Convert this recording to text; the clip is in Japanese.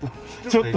「ちょっと」。